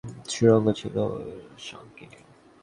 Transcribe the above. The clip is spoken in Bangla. সুড়ঙ্গ ছিল সংকীর্ণ।